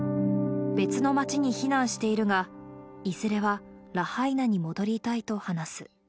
別の町に避難しているが、いずれはラハイナに戻りたいと話す。